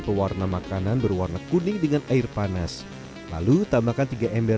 pewarna makanan berwarna kuning dengan air panas lalu tambahkan tiga ember